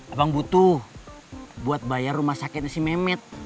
abang butuh buat bayar rumah sakitnya si mehmet